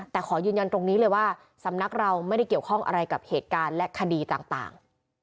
แต่ขอยืนยันตรงนี้เลยว่าสำนักเราไม่ได้เกี่ยวข้องอะไรกับเหตุการณ์และคดีต่าง